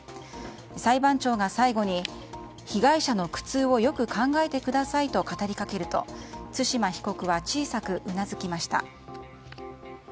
裁判長が最後に、被害者の苦痛をよく考えてくださいと語りかけると対馬被告は小さくうなずきました。